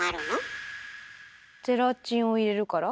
ゼラチンを入れるから？